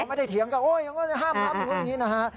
มันไม่ได้เถียงกันโอ๊ยห้ามแล้วมันก็อย่างนี้นะฮะ